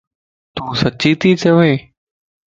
تون سچي تي چوين؟